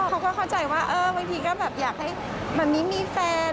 เขาก็เข้าใจว่าเออบางทีก็แบบอยากให้แบบนี้มีแฟน